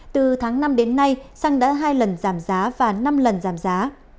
từ tháng năm đến nay xăng đã hai lần giảm giá và năm lần giảm giá